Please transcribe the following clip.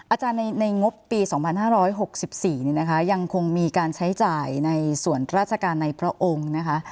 อาจารย์ในงบปี๒๕๖๔นะคะยังคงมีการใช้จ่ายในส่วนราชการในพระองค์นะคะ